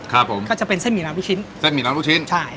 ครับผมก็จะเป็นเส้นหมี่น้ำลูกชิ้นเส้นหมี่น้ำลูกชิ้นใช่